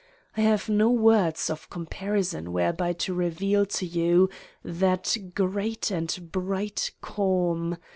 I have no words of comparison whereby to reveal to you that great and bright calm